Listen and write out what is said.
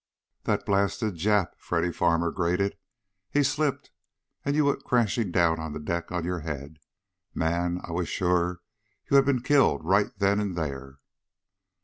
"That blasted Jap!" Freddy Farmer grated. "He slipped, and you went crashing down on the deck on your head. Man! I was sure you had been killed right then and there!"